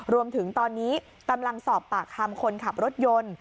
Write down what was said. รวมถึงตอนนี้กำลังสอบปากคำคนขับรถยนต์